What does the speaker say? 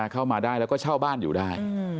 เข้ามาได้แล้วก็เช่าบ้านอยู่ได้